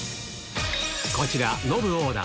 こちら、ノブのオーダー。